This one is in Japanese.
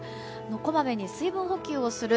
こまめに水分補給をする。